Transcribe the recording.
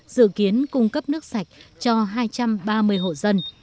dự kiến cung cấp nước sạch cho hai trăm ba mươi hộ dân